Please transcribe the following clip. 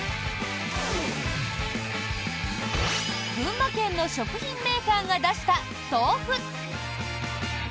群馬県の食品メーカーが出した豆腐。